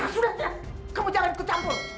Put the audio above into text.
sudah kamu jangan tercampur